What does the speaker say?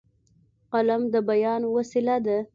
قلم د بیان وسیله ده.